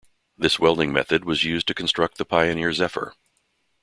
This welding method was used to construct the "Pioneer Zephyr".